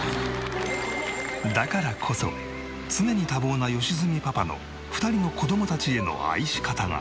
だからこそ常に多忙な良純パパの２人の子どもたちへの愛し方が。